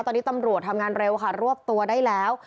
ตอนนี้ตำรวจทำงานเร็วค่ะรวบตัวได้แล้ว